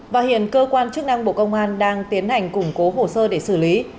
và hiện cơ quan chức năng bộ công an đang tiến hành củng cố hồ sơ để xử lý